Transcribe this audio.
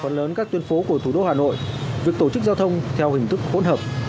phần lớn các tuyên phố của thủ đô hà nội việc tổ chức giao thông theo hình thức hỗn hợp